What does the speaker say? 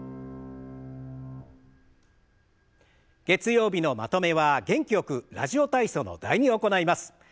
月曜日のまとめは元気よく「ラジオ体操」の「第２」を行います。